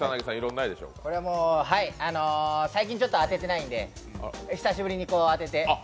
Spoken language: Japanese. これはもう最近当ててないんで久しぶりに当てて。